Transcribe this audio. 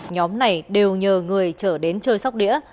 nhóm này đều nhờ người trở đến chơi sóc đĩa